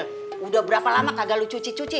sudah berapa lama kagak lu cuci cuci